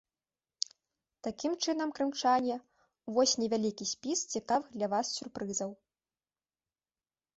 Такім чынам, крымчане, вось невялікі спіс цікавых для вас сюрпрызаў.